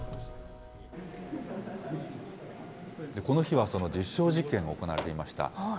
この日はその実証実験が行われていました。